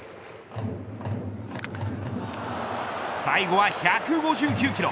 最後は１５９キロ。